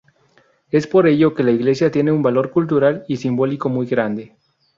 Es por ello que la iglesia tiene un valor cultural y simbólico muy grande.